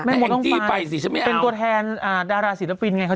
ท่านหมดต้องไปเป็นตัวแทนดาราศิลปัญหา